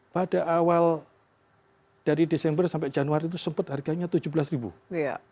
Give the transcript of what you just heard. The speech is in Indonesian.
pada awal dari desember sampai januari itu sempat harganya rp tujuh belas